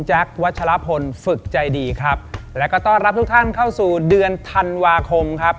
วัชลพลฝึกใจดีครับแล้วก็ต้อนรับทุกท่านเข้าสู่เดือนธันวาคมครับ